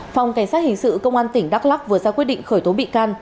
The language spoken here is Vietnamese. phòng cảnh sát hình sự công an tỉnh đắk lắc vừa ra quyết định khởi tố bị can